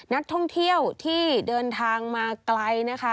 นักท่องเที่ยวที่เดินทางมาไกลนะคะ